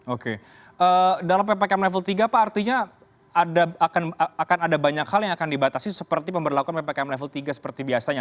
oke dalam ppkm level tiga pak artinya akan ada banyak hal yang akan dibatasi seperti pemberlakuan ppkm level tiga seperti biasanya